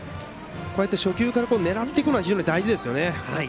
初球から狙っていくのは大事ですよね。